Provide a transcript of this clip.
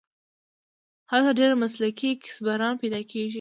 هلته ډېر مسلکي کیسه بُران پیدا کېږي.